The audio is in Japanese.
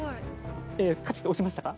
カチッと押しましたか？